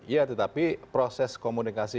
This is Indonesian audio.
ya tetapi proses komunikasi